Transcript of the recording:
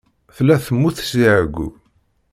Tella temmut si εeyyu.